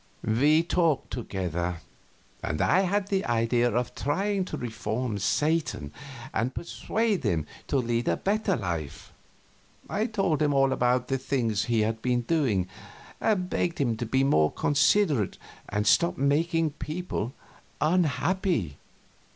We talked together, and I had the idea of trying to reform Satan and persuade him to lead a better life. I told him about all those things he had been doing, and begged him to be more considerate and stop making people unhappy.